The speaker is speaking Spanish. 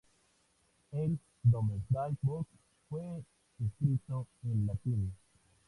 El "Domesday Book" fue escrito en latín.